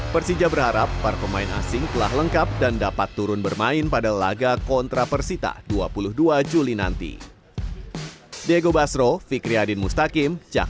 persija berharap para pemain asing telah lengkap dan dapat turun bermain pada laga kontra persita dua puluh dua juli nanti